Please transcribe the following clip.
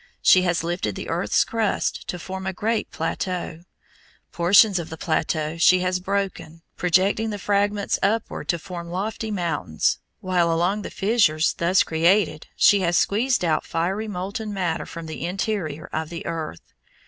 She has lifted the earth's crust to form a great plateau. Portions of the plateau she has broken, projecting the fragments upward to form lofty mountains, while along the fissures thus created she has squeezed out fiery molten matter from the interior of the earth.